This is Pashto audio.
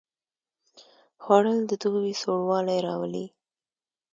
خوړل د دوبي سوړ والی راولي